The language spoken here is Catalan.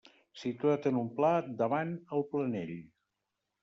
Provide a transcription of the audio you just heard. Situat en un pla davant el Planell.